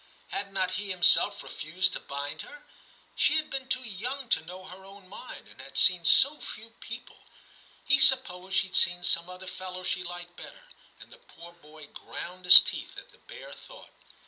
Had not he himself refused to bind her ? She had been too young to know her own mind, and had seen so few people ; he supposed she'd seen some other fellow she liked better — and the poor boy ground his teeth at the bare thought.